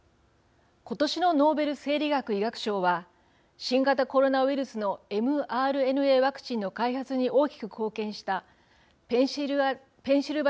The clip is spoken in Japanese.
今年のノーベル生理学・医学賞は新型コロナウイルスのｍＲＮＡワクチンの開発に大きく貢献したペンシルべ